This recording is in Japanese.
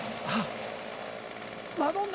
あっ。